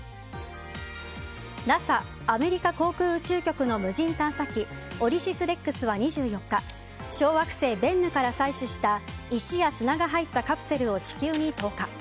ＮＡＳＡ・アメリカ航空宇宙局の無人探査機「オシリス・レックス」は２４日小惑星ベンヌから採取した石や砂が入ったカプセルを地球に投下。